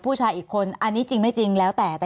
มีความรู้สึกว่ามีความรู้สึกว่า